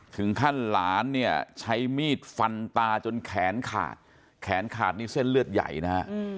ถึงขั้นหลานเนี่ยใช้มีดฟันตาจนแขนขาดแขนขาดนี่เส้นเลือดใหญ่นะฮะ